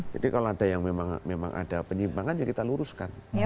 jadi kalau ada yang memang ada penyimbangan ya kita luruskan